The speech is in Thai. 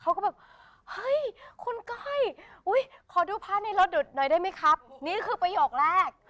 เขาก็แบบเฮ้ยคุณก้อยขอดูภาพในรถหน่อยได้ไหมครับนี่คือประโยคแรก